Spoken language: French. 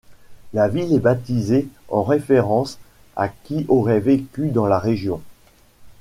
La ville est baptisée en référence à qui aurait vécu dans la région.